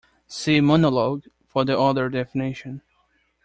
See monologue for the other definition.